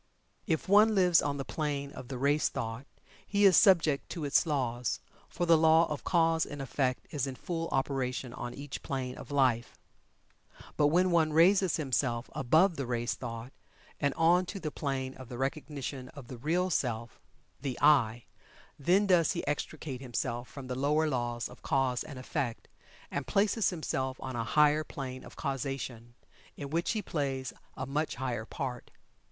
If one lives on the plane of the race thought, he is subject to its laws, for the law of cause and effect is in full operation on each plane of life. But when one raises himself above the race thought, and on to the plane of the Recognition of the Real Self The "I" then does he extricate himself from the lower laws of cause and effect, and places himself on a higher plane of causation, in which he plays a much higher part.